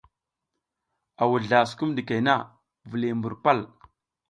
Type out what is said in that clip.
A wuzla sukum ɗikey na, viliy mbur pal.